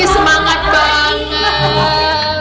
ini semangat banget